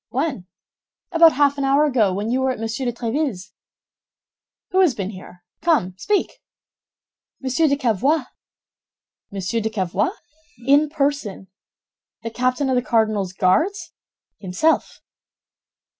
"When?" "About half an hour ago, while you were at Monsieur de Tréville's." "Who has been here? Come, speak." "Monsieur de Cavois." "Monsieur de Cavois?" "In person." "The captain of the cardinal's Guards?" "Himself."